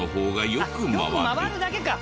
よく回るだけか！